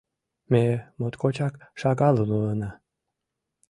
Ме моткочак шагалын улына.